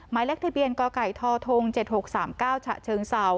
ไม้เล็กทะเบียนกทท๗๖๓๙ฉซ